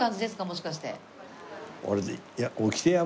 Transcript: もしかして。